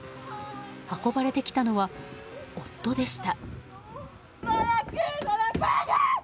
運ばれてきたのは夫でした。